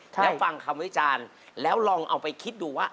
แล้วฟังคำวิจารณ์แล้วลองเอาไปคิดดูว่า